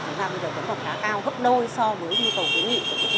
chúng ta bây giờ tổng cộng đã cao gấp đôi so với nhu cầu kế nghị của các thị trường